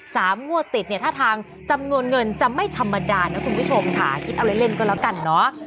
งวดติดเนี่ยท่าทางจำนวนเงินจะไม่ธรรมดานะคุณผู้ชมค่ะคิดเอาเล่นเล่นก็แล้วกันเนอะ